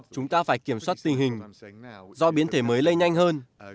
chúng ta phải kiểm soát tình hình do biến thể mới lây nhanh hơn